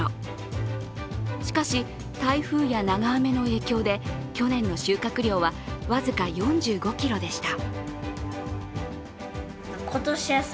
しかし、台風や長雨の影響で去年の収穫量は僅か４５ｋｇでした。